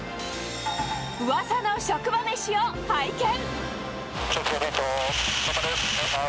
うわさの職場めしを拝見。